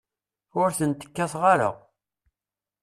Ur tent-kkateɣ ara.